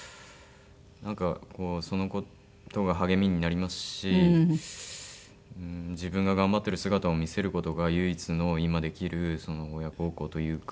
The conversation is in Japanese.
なんかその事が励みになりますし自分が頑張ってる姿を見せる事が唯一の今できる親孝行というか。